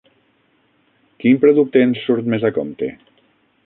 Quin producte ens surt més a compte?